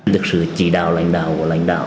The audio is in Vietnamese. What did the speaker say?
được sự chỉ đạo lãnh đạo của lãnh đạo